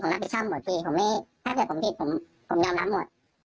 ผมรับผิดชอบหมดถ้าเกิดผมผิดผมยอมรับหมด